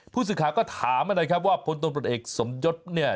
ผู้ศึกษาก็ถามกันเลยครับว่าพลตรวจเอกสมยศเนี่ย